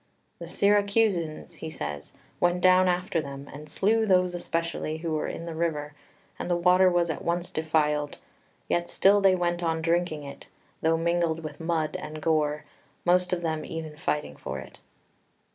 "The Syracusans," he says, "went down after them, and slew those especially who were in the river, and the water was at once defiled, yet still they went on drinking it, though mingled with mud and gore, most of them even fighting for it."